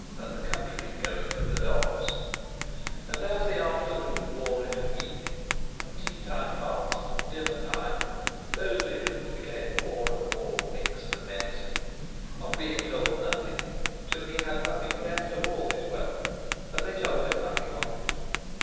and the country going to the dogs; and, as the afternoon wore into evening, and tea time passed, and dinnertime, those visions became more and more mixed and menacing—of being told nothing, till he had nothing left of all his wealth, and they told him nothing of it.